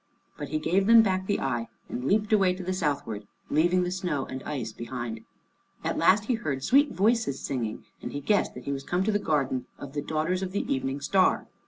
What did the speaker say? But he gave them back the eye and leaped away to the southward, leaving the snow and ice behind. At last he heard sweet voices singing, and he guessed that he was come to the garden of the daughters of the Evening Star.